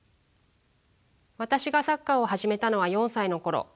私がサッカーを始めたのは４歳の頃。